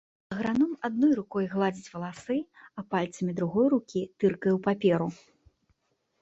Аграном адной рукой гладзіць валасы, а пальцамі другой рукі тыркае ў паперу.